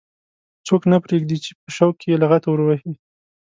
څوک نه پرېږدي چې په شوق کې یې لغته ور ووهي.